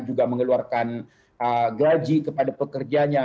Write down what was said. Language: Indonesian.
juga mengeluarkan gaji kepada pekerjanya